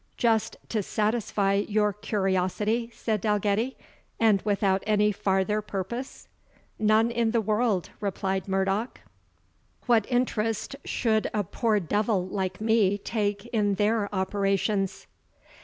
"Just to satisfy your curiosity," said Dalgetty, "and without any farther purpose?" "None in the world," replied Murdoch; "what interest should a poor devil like me take in their operations?"